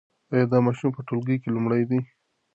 ایا دا ماشوم په ټولګي کې لومړی دی؟